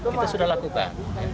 kita sudah lakukan